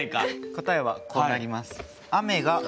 答えはこうなります。